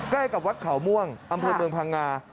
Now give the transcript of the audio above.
ใกล้กับวัดเขาม่วงอำเภอเมืองพังงา